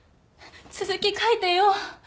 続き書いてよ。